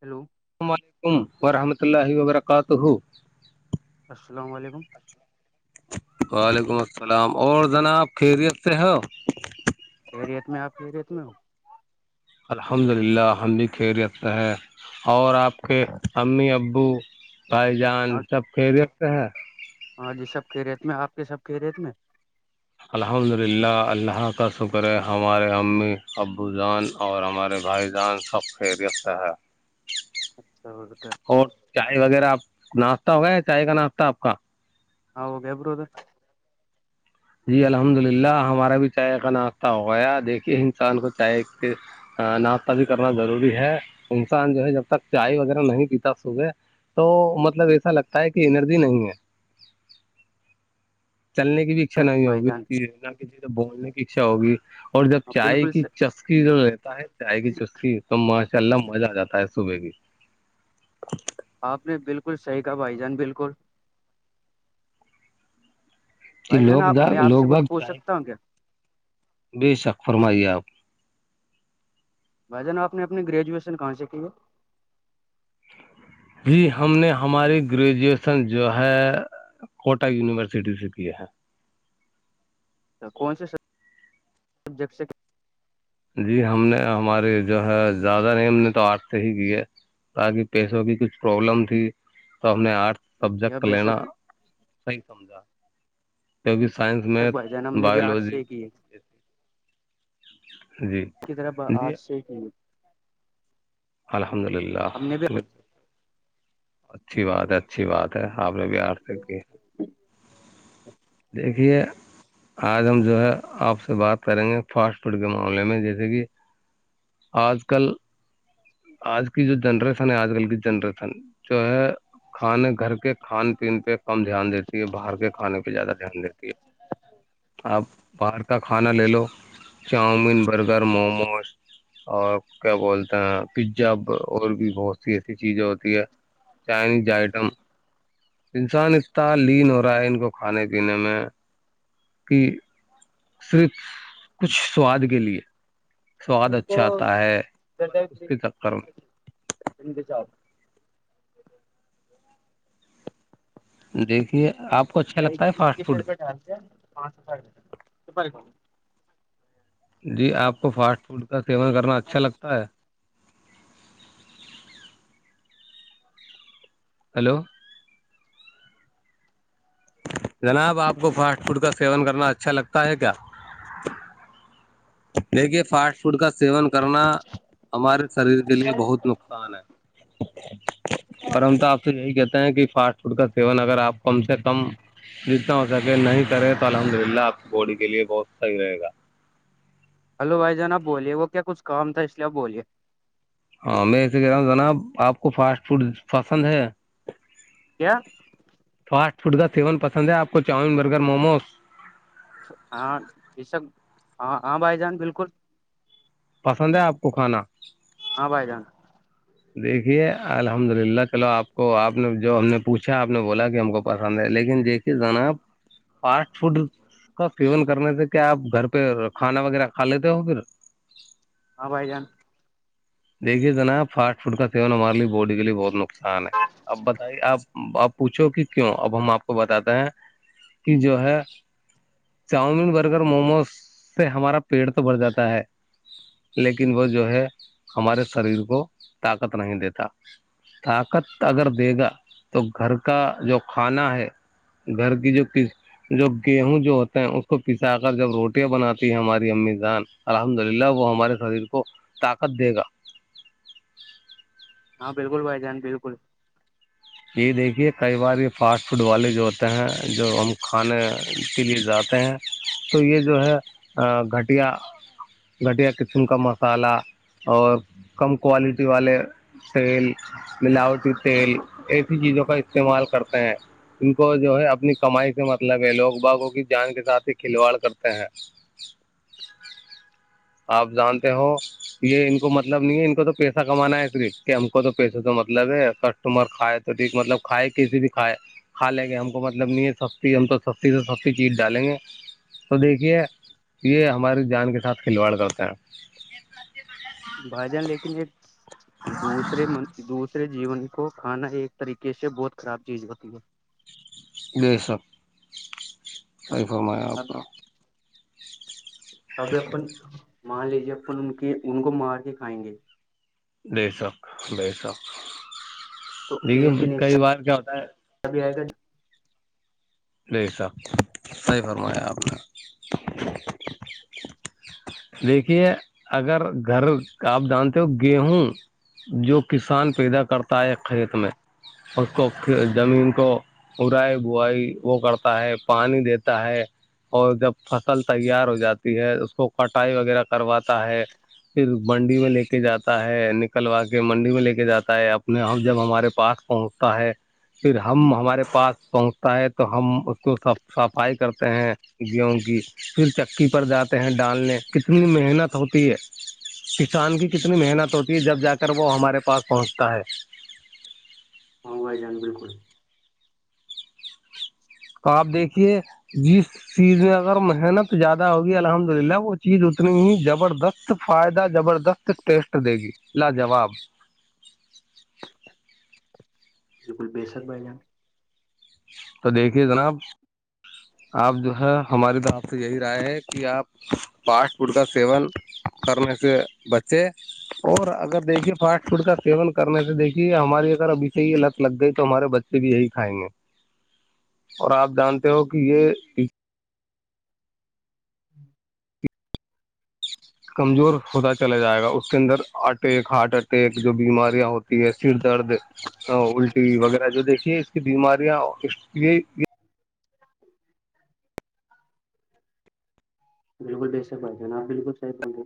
Hello السلام علیکم ورحمۃ اللہ وبرکاتہ السلام علیکم وعلیکم السلام اور جنابپ خیریت سے ہو کیا ریت میں آپ کے ریت میں ہو الحمد للہ ہم بھی خیر رکھتا ہے اور آپ کے امی ابو بھائی جان ہاں سب کھی رکھتے ہیں ہاں جی سب کی ریت میں آپ کے سب کی ریت میں الحمد للہ اللہ کا شکر ہے ہمارے امی ابو زان اور ہمارے بھائی جان سب خیریت ہے اچھا بت اور چائے وغیرہ آپ ناشتہ ہوگیا یا چائے کا ناشتہ آپ کا ہاں گ ابرد جی الحمد للہ ہمارا بھی چائے کا ناشہ ہو گیا دیکھیے انسان کو چائے کے ناشتہ بھی کرنا ضروری ہے انسان جو ہے جب تک چائے وغیرہ نہیں پیتا صبح تو مطلب ایسا لگتا ہے کہ انرجی نہیں ہے چلنے کی بھی اچھا نہیں بھائی ہوگی جان اس نہ کسی سے بولنے کی اچھا ہوگی اور جب چائے بالکل کی چسکی جو رہتا ہے چائے کی چسکی تو ماشاء اللہ مزہ آ جاتا ہے صبح کی آپ نے بالکل صحیح کہا بھائی جان بالکل بھائی جان لوگ آپ دا میں آپ لوگ سے باگ کچھ چ پوچھ سکتا ہوں کیا بے شک فرمائیے آپ بھائی جان آپ نے اپنی گریجویشن کہاں سے کی ہے جی ہم نے ہماری گریجویشن جو ہے کوٹہ یونیورسٹی سے کی ہے کون سے س سبجیکٹ سے کیا جی ہم نے ہمارے جو ہے زیادہ نی ہم نے تو آرٹ سے ہی کی ہے تاکہ پیسوں کی کچھ پروابلم تھی تو ہم نے آرٹ تب یہ جک بے لینا شک صحی سمجھا کیکہ سائنس تک میتھ بھائی جان ہم نے بھی آرٹ بایولوجی سے کی ہے جی کی طرف جی آرٹ سے ہی الحمد للہ ہم نے بھی اچھی بات ہے اچھی بات ہے آپ نے بار سے کی ہے دیکھیے آج ہم جو ہے آپ سے بات کریں گے فاسٹ فوڈ کے معاملے میں جیسے کہ آج کل آج کی جو جنریشن ہے آج کل کی جنریشن جو ہے کھانے گھر کے کھان پین پہ کم دھیان دیتی ہے باہر کے کھانے پہ زیادہ دھیان دیتی ہے آپ باہر کا کھانا لے لو چاؤمین بر گگر موموز اور کیا بولتے ہیں آپ پیزا اور بھی بہت سی ایسی چیزیں ہوتی ہے چائنیز آئٹم انسان اتنا لین ہو رہا ہے ان کو کھانے پینے میں کہ صرف کچھ سواد کے لیے ان سواد کو اچھا آتا ہے د ڈ بس اس کے چکر میں ان دی جاب دیکھیے آپ کو اچھا لگتا ہے اکی فاسٹ سو فوڈ روپئےٹ حالتے ہے پانچ روپ ر توپ کو جی آپ کو فاسٹ فوڈ کا سیون کرنا اچھا لگتا ہے ہلو جناب آپ کو فاسٹ فوڈ کا سیون کرنا اچھا لگتا ہے کیا دیکھیے فاسٹ فوڈ کا سیون کرنا ہمارے شریر کے لیے بہت نق ان ہے پرم تو آپ یہی کہتے ہیں کہ فاسٹ فوڈ کا سیون اگر آپ کم سے کم جتنا ہو سکے نہیں کرے تو الحمد للہ آپ کی بوڈی کے لیے بہت صحیح رہے گا ہلو بھائی جناب بولیے وہ کیا کچھ کام تھا اس لیے آپ بولیے ہاں میں ایے کہہ رہا ہوں جناب آپ کو فاسٹ فوڈ پسند ہے کیا فاسٹ فوڈ کا سیون پسند ہے آپ کو چاؤن برگر موموس ہاں یہ سب ہاں ہاں بھائی جان بالکل پسند ہے آپ کو کھانا ہاں بھائی جان دیکھیے الحمد للہ چلو آپ کو آپ نے جو ہم نے پوچھا آپ نے بولا کہ ہم کو پسند ہے لیکن دیکھی جناب فاسٹ فوڈ کا سیون کرنے سے کیا آپ گھر پہ کھانا وغیرہ کا لیتے ہو پھر ہاں بھائی جان دیکھیے جناب فاسٹ فوڈ کا سیون ہمارے لیے باڈی کے لیے بہت نقصان ہے اب بتائیے آپ اپ پوچھو کہ کیوں اب ہم آپ کو بتاتے ہیں کہ جو ہے چاؤمین برگر موموز سے ہمارا پیٹ تو بڑھ جاتا ہے لیکن وہ جو ہے ہمارے شریر کو طاقت نہیں دیتا طاقت اگر دے گا تو گھر کا جو کھانا ہے گھر کی جو جو گیہوں جو ہوتا ہیں اس کو پسا کر جب روٹیاں بناتی ہے ہماری امی جان الحمد للہ وہ ہمارے خریر کو ک دے گا ہاں بالکل بائی جان بالکل یہ دیکھیے کئی بار یہ فاسٹ فوڈ والے جو ہوتے ہیں جو ہم کھانے کے لیے جاتے ہیں تو یہ جو ہے گھٹیا گٹیا کچن کا مسالہ اور کم کوالٹی والے تیل ملاوٹی تیل ایسی چیزوں کا استعمال کرتے ہیں ان کو جو ہے اپنی کمائی سے مطلب ہے لوگ باغوں کی جان کے ساتھ ہی کھلواڑ کرتے ہیں آپ جانتے ہو یہ ان کو مطلب نہیں ہے ان کو تو پیسہ کمانا ہے صرف کہ ہم کو تو پیسے تو مطلب ہے تمہار کائے تو ٹھیک مطلب کھائے کسی بھی کھائے کھا لیں گے ہم کو مطلب نہیں سستی ہم تو سستی سے سستی چیز ڈالیں گے تو دیکھیے یہ ہماری جان کے ساتھ کھلواڑ کرتے ہیں بھائی جان لیکن ایک دوسرے م دوسرے جیون کو کھانا ایک طریقے سے بہت خراب چیز ہوتی ہے یہ سب صیفم ہے آپ اب کا اب اپن مان لیجے اپن ان کے ان کو مار کے کھائیں گے بے شک بے شک تو دیکھیے ایک دن ای س کئی بار کیا ہوتا ہے ابھی آئے گا بے شک صحیح فرمایا آپ نے دیکھیے اگر گھر کا آپ جانتے ہو گیہوں جو کسان پیدا کرتا ہے کھیت میں اس کو زمین کو برائی بوائی وہ کرتا ہے پانی دیتا ہے اور جب فصل تیار ہو جاتی ہے اس کو کٹائی وغیرہ کرواتا ہے پھر منڈی میں لے کے جاتا ہے نکلوا کے منڈی میں لے کے جاتا ہے اپنے ہم جب ہمارے پاس پہنچ تا‌ہے پھر ہم ہمارے پاس پہنچتا ہے تو ہم اس کو صف صفائی کرتے ہیں گوں کی پھر چکی پر جاتے ہیں ڈالنے کتنی محنت ہوتی ہے کسان کی کتنی محنت ہوتی ہے جب جا کر وہ ہمارے پاس پہنچتا ہے ہاں بھائی جان بالکل تو آپ دیکھیے جس چیز میں اگر محنت زیادہ ہوگی الحمد للہ وہ چیز اتنی ہی زبردست فائدہ زبردست تو ٹیسٹ دے گی لاجواب بالکل بےسک بھا جان تو دیکھیے جناب آپ جو ہے ہماری طرف سے یہی رائے ہے کہ آپ فاسٹ فوڈ کا سیون کرنے سے بچے اور اگر دیکھیے فاسٹ فوڈ کا سیون کرنے سے دیکھیے ہماری اگر ابھی سے یہ لت لگ گئی تو ہمارے بچے سے بھی یہی کھائیں گے اور آپ جانتے ہو کہ یہ کمزور ہوتا چلا جائے گا اس کے اندر اٹیک ہارٹ اٹیک جو بیماریاں ہوتی سر درد الٹی وغیرہ جو دیکھیے اس کی بیماریاں یہ بالکل جےسا بھائیان آپ بالکل صح بولے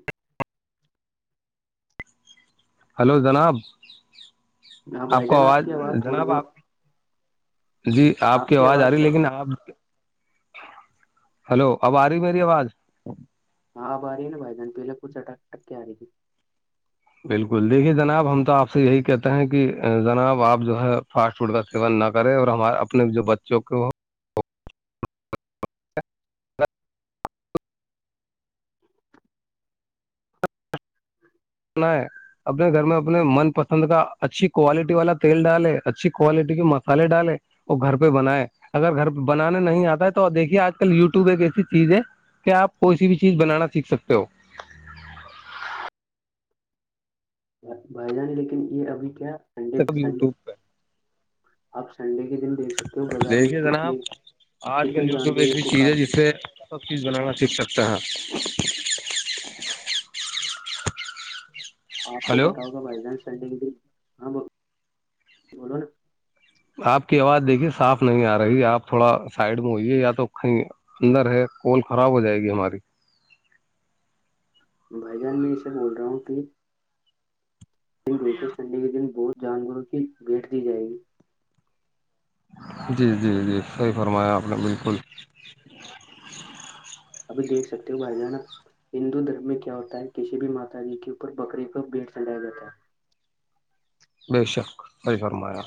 ہلو جناب ہیں۔ ہاں آپ بھائی کو جان آواز کی تھوڑی جناب بہت آپ جی آپ کی آواز آ رہی ہے لیکن آپ ہلو اب آ رہی میری آواز ہاں ا آ رہی ن بھائی جان پہلے پچھ اٹک اٹک آ رہ تھی بالکل دیکھیے جناب ہم تو آپ سے یہی کہتے ہیں کہ جناب آپ جو ہے فاسٹ فوٹ کا سیون نہ کرے اور ہمارے اپنے جو بچوں کو وہ [unintelligible] اپنے گھر میں اپنے من پسند کا اچھی کوالٹی والا تیل ڈالے اچھی کوالٹی کے مسالے ڈالے وہ گھر پہ بنائے اگر گھر پہ بنانے نہیں آتا ہے تو دیکھیے آج کل یوٹیوب ایک ایسی چیز ہے کیا آپ کوئی سی بھی چیز بنانا سیکھ سکتے ہو بھائی جان لیکن یہ ابھی کیا سنڈے سنڈے یوٹیوب پہ اپ سنڈے کے دیکھ سکتے ہو بازار میں دیکھیے جناب کتنے آج کل کتنے یوٹیوب ایک جانوروں ایسی کو چیز ہے کاٹ جس سے سب چیز بنانا سیکھ سکتا ہے آپ کو ہلو پتا ہوگا بائی جانس سڈگ ہاں ب آپ کی آواز دیکھیے صاف نہیں آ رہی آپ تھوڑا سائڈ میں ہوئیے یا تو کیں اندر ہے کول خراب ہو جائے گی ہماری بھائی جان میں اسے بول رہا ہوں کہ د دیکھیے سنڈے کے دن بہت جانوروں کی بھیٹ دی جائے گی جی جی جی صحیح فرمایا آپ نے بالکل ابھی دیکھ سکتے ہو بھائی جانک ہندو دھرم میں کیا ہوتا ہے کسی بھی ماتا جی کے اوپر بکرے کا بھیٹ چھایا جاتا ہے بے شک پی فرمایا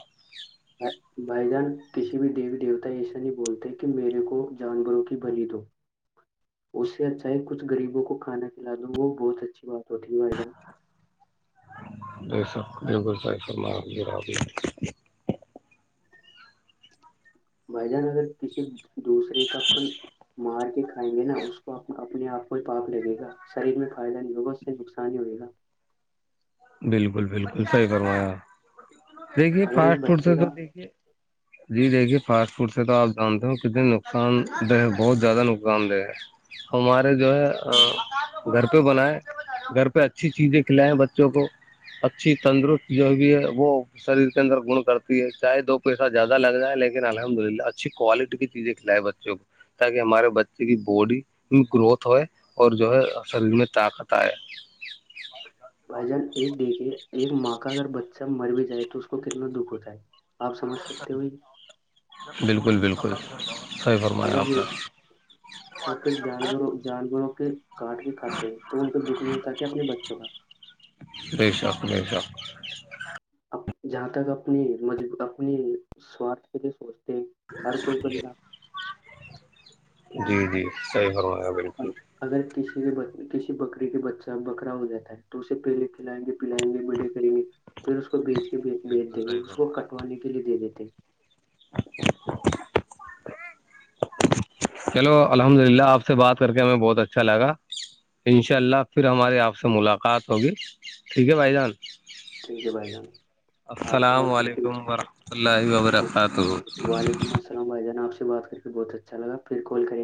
بھائی جان کسی بھی دیوی دیوتا ایسا نہیں بولتے کہ میرے کو جانوروں کی بلی دو [inaudible] اس سے اچھا ہے کچھ غریبوں کو کانا کھلا دوں وہ بہت اچھی بات ہوتی ہے مدہ یہ سب جو بول رہے ہیں وہ راضی ہے بھائی جان اگر کسی دوسرے کا اپن مار کے کائیں گے نا اس کو اپنے آپ کو پاپ لگے گا شریر میں فائدہ نہیں ہوگا اس سے نقصان ہی ہوئے گا بالکل بالکل صحی پروایا دیکھیے اگر ایک فاسٹ فوڈ سے بچے تو کا دیکھیے جی دیکھیے فاسٹ فوڈ سے تو آپ جانتے ہو کتنے نقصان دہ ہے بہت زیادہ نقصان دہ ہے ہمارے جو ہے گھر پہ بنائے گھر پہ اچھی چیزیں کھلائیں بچ بچوں کو اچھی تندرست جو بھی ہے وہ شریر کے اندر گن کرتی ہے چاہے دو پیسہ زیادہ لگ جائے لیکن الحمد للہ اچھی کوالٹی کی کھلائے بچوں کو تاکہ ہمارے بچے کی باڈی گروتھ ہو اور جو ہے شریر میں طاقت آئے بھائی جان ایک دیکھے ایک ماں کا اگر بچہ مر بھی جائے تو اس کو کتنا دکھ ہوتا ہے آپ سمجھ سکتے ہوائی بالکل بالکل صحیح فرمایا اگر آپ بھی نے [unintelligible] اور پھر جانوروں جانوروں کے کاٹ کے کھاتے ہیں تو ان کو دکھ نہیں ہوتا کہ اپنے بچوں کا بے شک بے شک جہاں تک اپنی مج اپنی سوارھ کے لیے سوچتے ہیں ہر کوئی بندہ جی جی صحیح ہووایا بالکل اگر کسی کے کسی بکری کے بچہ بکرا ہو جاتا ہے تو اسے پہلے کھلائیں گے پلائیں گے ملے کریں گے پھر اس کو بیچ کے بیچ بالکل دیں گے صحیح اس کو فرمایا کٹوانے کے لیے دے دیتے ہیں چلو الحمد للہ آپ سے بات کر کے ہمیں بہت اچھا لگا ان شاء اللہ پھر ہماری آپ سے ملاقات ہوگی ٹھیک ہے بھائی جان ٹھیک ہے بھائی جان آپ سے السلام بات کر کے علیکم وورحمۃ اللہ وبرکاتہ ولمسلام بائی جان آ سے بات کر کے بہت اچھاگا پھر کال کریں گے